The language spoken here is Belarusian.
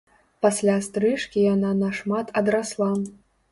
Пасля стрыжкі яна на шмат адрасла.